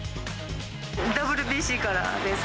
ＷＢＣからです。